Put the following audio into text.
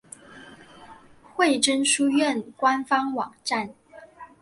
惠贞书院官方网站